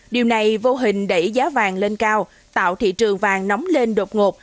điều này vô hình đẩy giá vàng lên cao tạo thị trường vàng nóng lên đột ngột